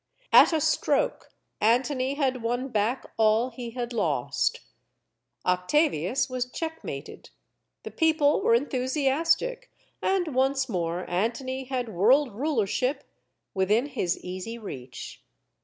At a stroke, Antony had won back all he had lost. Octavius was checkmated, the people \vere enthusias tic, and once more Antony had world rulership within his easy reach.